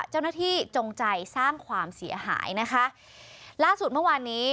เจ้าหน้าที่จงใจสร้างความเสียหายนะคะล่าสุดเมื่อวานนี้